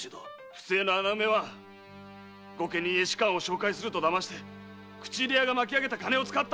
⁉不正の穴埋めは御家人へ仕官を紹介すると騙して口入れ屋が巻き上げた金を使ったのではありませぬか